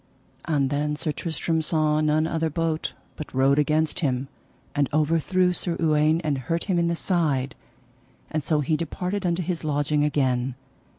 And then Sir Tristram saw none other bote, but rode against him, and overthrew Sir Uwaine and hurt him in the side, and so he departed unto his lodging again.